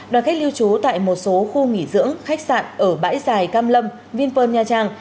đoàn khách lưu trú tại một số khu nghỉ dưỡng khách sạn ở bãi giải cam lâm vinpearl nha trang